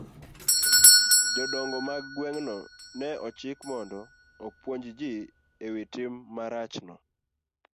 Jodongo mag gweng'no ne ochik mondo opuonj ji e wi tim marachno.